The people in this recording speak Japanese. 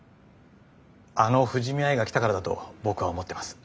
あの藤見アイが来たからだと僕は思ってます。